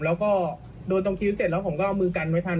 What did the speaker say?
แล้วก็โดนตรงคิ้วเสร็จแล้วผมก็เอามือกันไว้ทัน